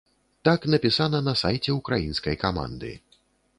Так напісана на сайце ўкраінскай каманды.